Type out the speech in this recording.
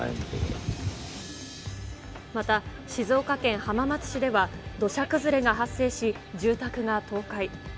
また、静岡県浜松市では、土砂崩れが発生し、住宅が倒壊。